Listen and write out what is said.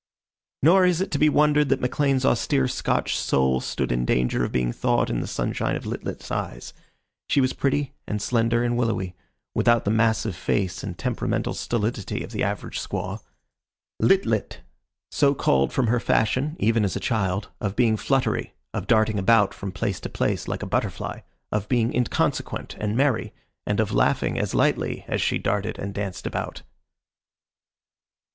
Nor is it to be wondered that McLean's austere Scotch soul stood in danger of being thawed in the sunshine of Lit lit's eyes. She was pretty, and slender, and willowy; without the massive face and temperamental stolidity of the average squaw. "Lit lit," so called from her fashion, even as a child, of being fluttery, of darting about from place to place like a butterfly, of being inconsequent and merry, and of laughing as lightly as she darted and danced about.